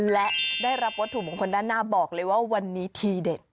และได้รับวัตถุมงคลด้านหน้าบอกเลยว่าวันนี้ทีเด็ด